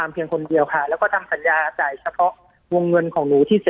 ปากกับภาคภูมิ